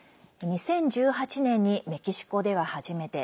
２０１８年にメキシコでは初めて。